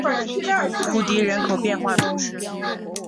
普迪人口变化图示